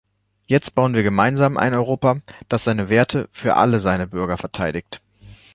Jetzt bauen wir gemeinsam ein Europa, das seine Werte für alle seine Bürger verteidigt.